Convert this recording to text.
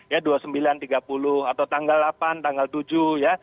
ya dua puluh sembilan tiga puluh atau tanggal delapan tanggal tujuh ya